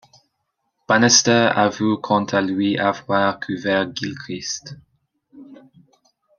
Bannister avoue quant à lui avoir couvert Gilchrist.